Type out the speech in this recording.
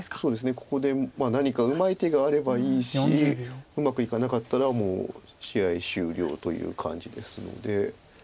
ここで何かうまい手があればいいしうまくいかなかったらもう試合終了という感じですので。